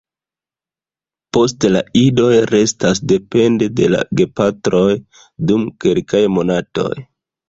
Poste la idoj restas depende de la gepatroj dum kelkaj monatoj.